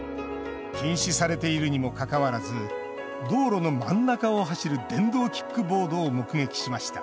禁止されているにもかかわらず道路の真ん中を走る電動キックボードを目撃しました。